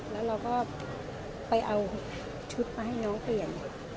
แล้วเราก็ไปเอาชุดมาให้น้องเปลี่ยน